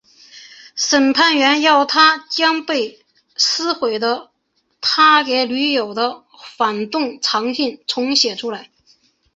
审判员要他将被撕毁的他给女友的反动长信重写出来。